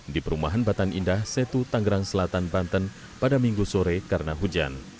di perumahan batan indah setu tanggerang selatan banten pada minggu sore karena hujan